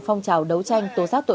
phong trào đấu tranh tố giác tội